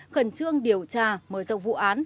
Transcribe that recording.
khẩn trương điều tra mở rộng vụ án